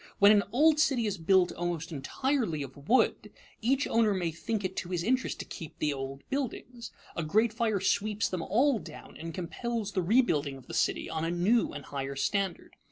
When an old city is built almost entirely of wood, each owner may think it to his interest to keep the old buildings. A great fire sweeps them all down and compels the rebuilding of the city on a new and higher standard.